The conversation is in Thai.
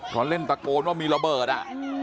พอเล่นตะโกนว่ามีระเบิดอ่ะ